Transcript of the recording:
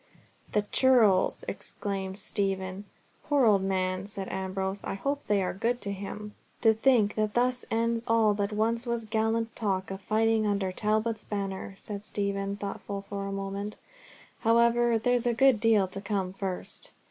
"The churls!" exclaimed Stephen. "Poor old man!" said Ambrose; "I hope they are good to him!" "To think that thus ends all that once was gallant talk of fighting under Talbot's banner," sighed Stephen, thoughtful for a moment. "However, there's a good deal to come first."